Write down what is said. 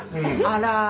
あら！